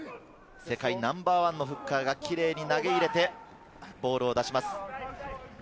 世界ナンバーワンのフッカーがキレイに投げ入れてボールを出します。